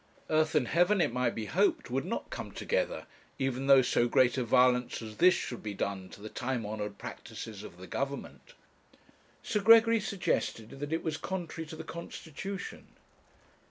Earth and heaven, it might be hoped, would not come together, even though so great a violence as this should be done to the time honoured practices of the Government. Sir Gregory suggested that it was contrary to the constitution.